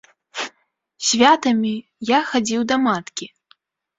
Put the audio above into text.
Святамі я хадзіў да маткі.